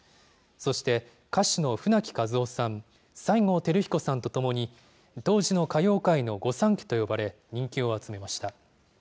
そして歌手の舟木一夫さん、西郷輝彦さんと共に当時の歌謡界の御三家と呼ばれ、人気を集めました。